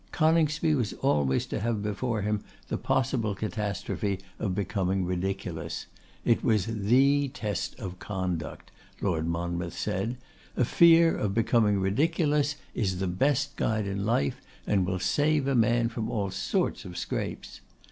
Coningsby was always to have before him the possible catastrophe of becoming ridiculous. It was the test of conduct, Lord Monmouth said; a fear of becoming ridiculous is the best guide in life, and will save a man from all sorts of scrapes.